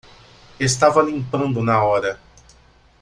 Estava limpando na hora